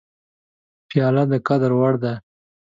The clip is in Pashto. پیاله د قدر وړ ده.